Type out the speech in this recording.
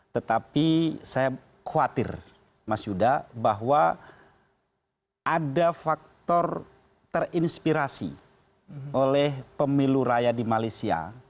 tetapi saya khawatir mas yuda bahwa ada faktor terinspirasi oleh pemilu raya di malaysia